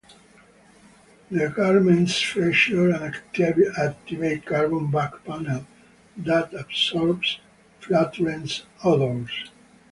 The garments feature an activated carbon back panel that absorbs flatulence odours.